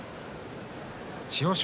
千代翔